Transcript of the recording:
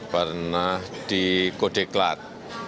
pernah di kodeklat